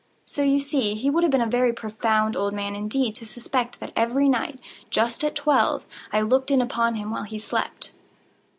So you see he would have been a very profound old man, indeed, to suspect that every night, just at twelve, I looked in upon him while he slept.